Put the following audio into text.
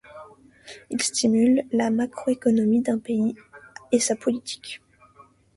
Il simule la macroéconomie d'un pays et sa politique.